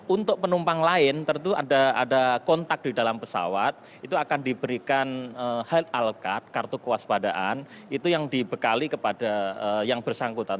untuk penumpang lain tentu ada kontak di dalam pesawat itu akan diberikan health al card kartu kuas padaan itu yang dibekali kepada yang bersangkutan